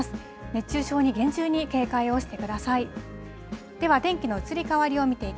熱中症に厳重に警戒をしてください。